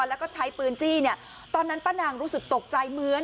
แล้วก็ใช้ปืนจี้เนี่ยตอนนั้นป้านางรู้สึกตกใจเหมือน